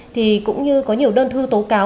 thì cũng như có nhiều đơn thư tố cáo